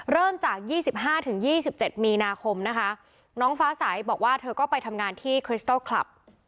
เริ่มจาก๒๕๒๗มีนาคมนะคะน้องฟ้าใสบอกว่าเธอก็ไปทำงานที่คริสตอลคลับ